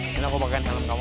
ini aku pakein helm kamu